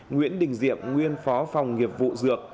nguyễn đình diệp nguyên phó phòng nghiệp vụ dược